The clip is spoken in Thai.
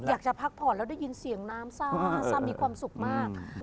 อยากจะพักผ่อนแล้วได้ยินเสียงน้ำซ่าซ่ามีความสุขมาก